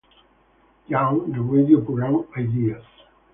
Young, the radio program "Ideas".